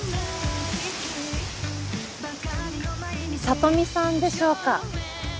サトミさんでしょうか？